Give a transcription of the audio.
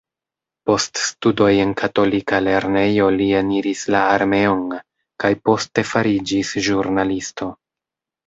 Post studoj en katolika lernejo, li eniris la armeon, kaj poste fariĝis ĵurnalisto.